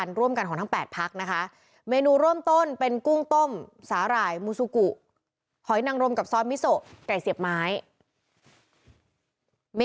แล้วก็อะไรสักอย่างที่อ่านออกอากาศไม่ได้